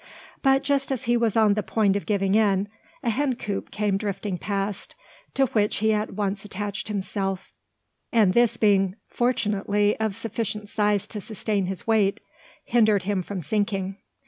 But just as he was on the point of giving in, a hencoop came drifting past, to which he at once attached himself, and this being fortunately of sufficient size to sustain his weight, hindered him from sinking.